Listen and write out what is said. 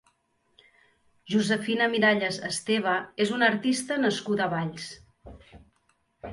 Josefina Miralles Esteve és una artista nascuda a Valls.